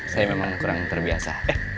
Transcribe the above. saya memang kurang terbiasa